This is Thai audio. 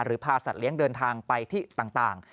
พาสัตว์เลี้ยงเดินทางไปที่ต่าง